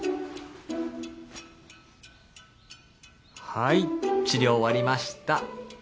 はい治療終わりました。